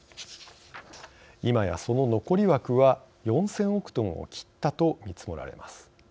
今や、その残り枠は４０００億トンを切ったと見積もられます。